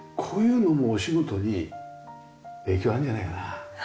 こういうのもお仕事に影響あるんじゃないかな。